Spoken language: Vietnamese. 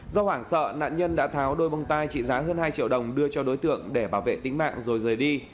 do hoảng sợ nạn nhân đã tháo đôi bông tai trị giá hơn hai triệu đồng đưa cho đối tượng để bảo vệ tính mạng rồi rời đi